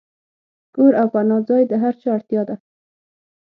کور او پناه ځای د هر چا اړتیا ده.